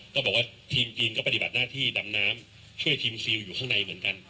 ก็บอกว่าทีมจีนก็ปฏิบัติหน้าที่ดำน้ำช่วยทีมซิลอยู่ข้างในเหมือนกัน